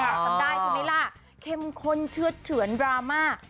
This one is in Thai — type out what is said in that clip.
แต่ทำได้ชะมิล่าเค็มข้นเฉือเฉือนดราม่า